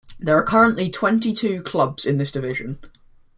There are currently twenty-two clubs in this division.